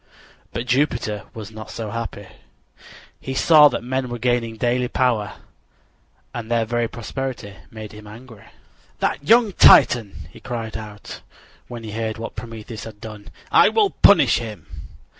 But Jupiter was not so happy. He saw that men were gaining daily greater power, and their very prosperity made him angry. "That young Titan!" he cried out, when he heard what Prometheus had done. "I will punish him."